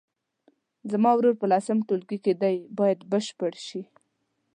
زما ورور په لسم ټولګي کې دی باید بشپړ شي.